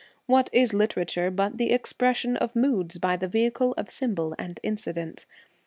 What is literature but the expression of moods by the vehicle 6 of symbol and incident